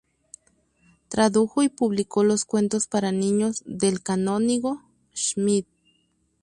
Tradujo y publicó los "Cuentos para niños" del canónigo Schmid.